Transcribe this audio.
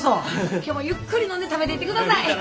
今日はゆっくり飲んで食べていってください。